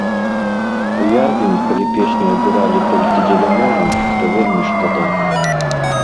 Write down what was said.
Уявім, калі песню абіралі толькі дзеля мовы, то вельмі шкада.